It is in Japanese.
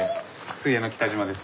水泳の北島です。